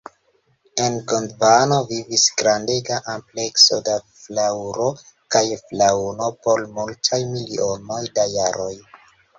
En Gondvano vivis grandega amplekso da flaŭro kaj faŭno por multaj milionoj da jaroj.